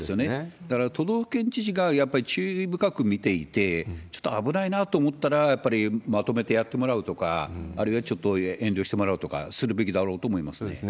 だから、都道府県知事がやっぱり注意深く見ていて、ちょっと危ないなと思ったら、やっぱりまとめてやってもらうとか、あるいはちょっと遠慮してもらうとかするべきだろうと思いますね。